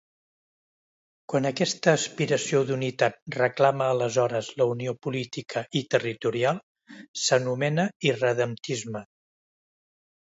Quan aquesta aspiració d'unitat reclama aleshores la unió política i territorial, s'anomena irredemptisme.